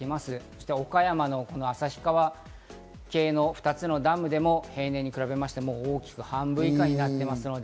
そして岡山の旭川水系の２つのダムでも平年に比べて半分以下になっています。